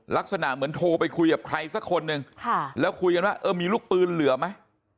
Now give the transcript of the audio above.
ลักษณะเหมือนโทรไปคุยกับใครสักคนนึงแล้วคุยกันว่าเออมีลูกปืนเหลือไหม